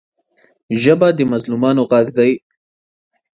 ژبه د مظلومانو غږ دی